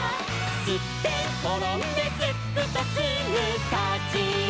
「すってんころんですっくとすぐたちあがる」